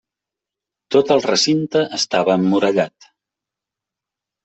Tot el recinte estava emmurallat.